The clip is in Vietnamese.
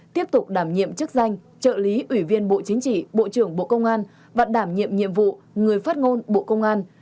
tiếp tục đảm nhiệm chức danh trợ lý ủy viên bộ chính trị bộ trưởng bộ công an và đảm nhiệm nhiệm vụ người phát ngôn bộ công an